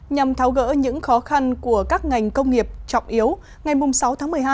nhằm tháo gỡ những khó khăn của các ngành công nghiệp trọng yếu ngày sáu tháng một mươi hai